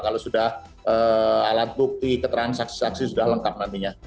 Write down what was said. kalau sudah alat bukti ketransaksi transaksi sudah lengkap nantinya